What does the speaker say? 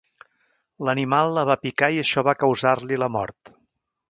L'animal la va picar i això va causar-li la mort.